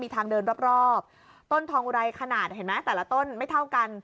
ทางเดินรอบรอบต้นทองอุไรขนาดเห็นไหมแต่ละต้นไม่เท่ากัน